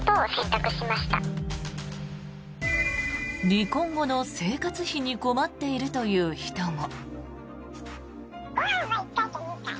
離婚後の生活費に困っているという人も。